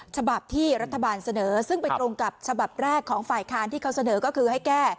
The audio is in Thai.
ฉบับที่รัฐบาลเสนอซึ่งไปตรงกับฉบับแรกของฝ่ายค้านที่เขาเสนอก็คือให้แก้